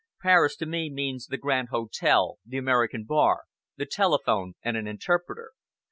"Paris, to me, means the Grand Hotel, the American bar, the telephone and an interpreter.